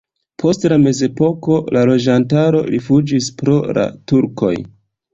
Post la mezepoko la loĝantaro rifuĝis pro la turkoj.